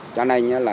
cho nên là